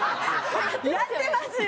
やってますよ